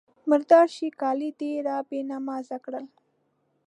_مرداره شې! کالي دې را بې نمازه کړل.